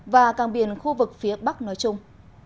và cảng biển khu vực phía bắc nói chung